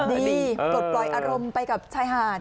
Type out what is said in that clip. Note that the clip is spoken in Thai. ดีปลดปล่อยอารมณ์ไปชายหาด